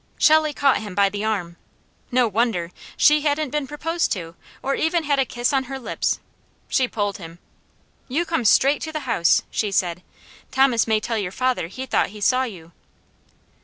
Shelley caught him by the arm. No wonder! She hadn't been proposed to, or even had a kiss on her lips. She pulled him. "You come straight to the house," she said. "Thomas may tell your father he thought he saw you."